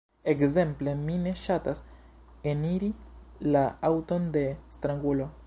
Ekzemple: mi ne ŝatas eniri la aŭton de strangulo.